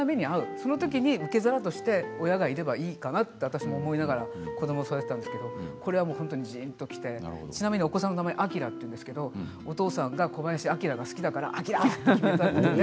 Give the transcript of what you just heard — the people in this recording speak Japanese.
そのときに受け皿として親がいればいいかなと私も思いながら子ども、育てていたんですけれどこれは本当にじんときてちなみにお子さんのお名前はあきらというんですけれどもお父さんが小林旭が好きだからあきらと決めたんですね。